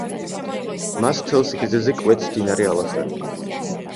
მას მთელ სიგრძეზე კვეთს მდინარე ალაზანი.